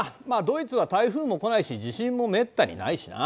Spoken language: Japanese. ドイツは台風も来ないし地震もめったにないしな。